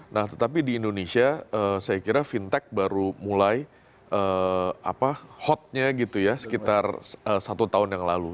nah tetapi di indonesia saya kira fintech baru mulai hotnya gitu ya sekitar satu tahun yang lalu